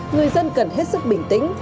người dân cần hết sức bình tĩnh